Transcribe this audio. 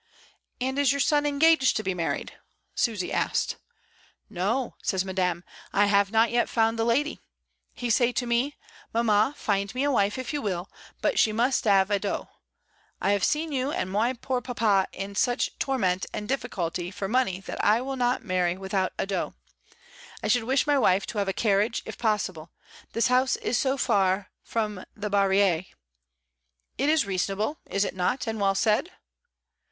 "And is your son engaged to be married?" Su^y asked. "No," says Madame; "I have not yet found the lady. He say to me, 'Mamma, find me a wife if you will, but she must 'ave a dot. I *ave seen you and my poor papa in such torment and difficulty for money that I will not marry without a dot, I should wish my wife to 'ave a carriage, if possible. This house is so far from the harrilreV It is reasonable, is it not, and well said?"